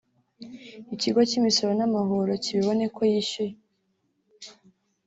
Ikigo cy’Imisoro n’Amahoro kibibone ko yishyuye